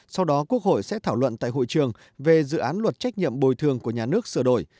sau đó quốc hội sẽ thảo luận tại hội trường về dự án luật trách nhiệm bồi thường của nhà nước sửa đổi